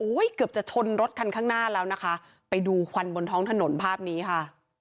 เกือบจะชนรถคันข้างหน้าแล้วนะคะไปดูควันบนท้องถนนภาพนี้ค่ะ